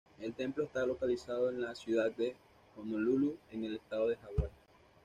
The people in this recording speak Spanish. El templo está localizado en la ciudad de Honolulu, en el estado de Hawái.